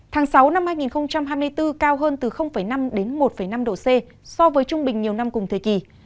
tháng sáu năm hai nghìn hai mươi bốn cao hơn từ năm đến một năm độ c so với trung bình nhiều năm cùng thời kỳ